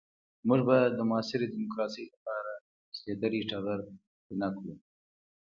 موږ به د معاصرې ديموکراسۍ لپاره شلېدلی ټغر پينه کړو.